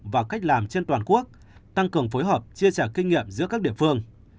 và cách làm trên toàn quốc tăng cường phối hợp chia sẻ kinh nghiệm giữa các địa phương